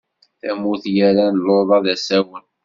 Tamurt i yerran luḍa d asawen.